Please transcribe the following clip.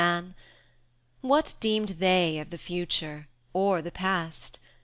[fn] What deemed they of the future or the past?